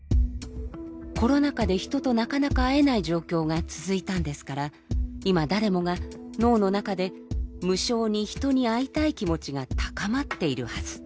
コロナ禍で人となかなか会えない状況が続いたんですから今誰もが脳の中で無性に人に会いたい気持ちが高まっているはず。